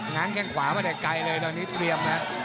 งั้นแข้งขวามาแต่ไกลเลยตอนนี้เตรียมนะ